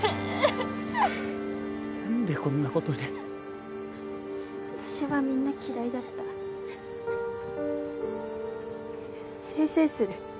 何でこんなことに私はみんな嫌いだったせいせいする